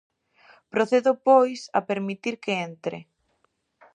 Procedo pois a permitir que entre.